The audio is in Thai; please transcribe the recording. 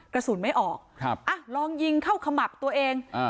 กระสุนไม่ออกครับอ่ะลองยิงเข้าขมับตัวเองอ่า